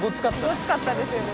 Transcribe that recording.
ごつかったですよね。